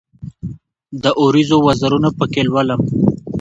د اوریځو وزرونه پکښې لولم